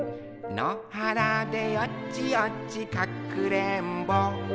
のはらでよちよちかくれんぼ」